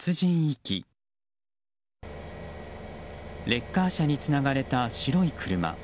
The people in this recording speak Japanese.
レッカー車につながれた白い車。